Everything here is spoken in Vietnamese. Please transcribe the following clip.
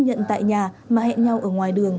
nhận tại nhà mà hẹn nhau ở ngoài đường